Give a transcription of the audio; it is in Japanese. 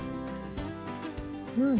うん。